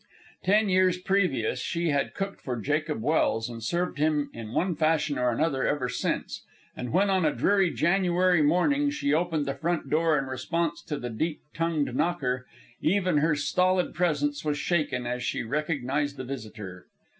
Ten years previous she had cooked for Jacob Welse, and served him in one fashion or another ever since; and when on a dreary January morning she opened the front door in response to the deep tongued knocker, even her stolid presence was shaken as she recognized the visitor.